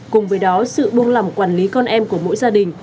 cùng với đó sự buông lỏng quản lý con em của mỗi gia đình